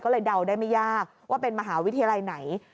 ก็เลยเดาได้ไม่ยากว่าเป็นมหาวิทยาลัยไหน